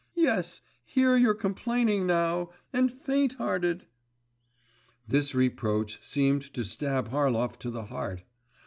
Yes! Here you're complaining now, and faint hearted.…' This reproach seemed to stab Harlov to the heart.